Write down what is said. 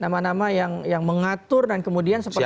nama nama yang mengatur dan kemudian seperti